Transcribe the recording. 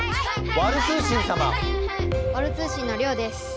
ワル通信のりょうです。